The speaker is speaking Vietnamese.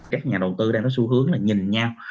các nhà đầu tư đang có xu hướng là nhìn nhau